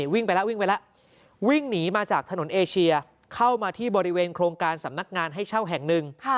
วิ่งไปแล้ววิ่งไปแล้ววิ่งหนีมาจากถนนเอเชียเข้ามาที่บริเวณโครงการสำนักงานให้เช่าแห่งหนึ่ง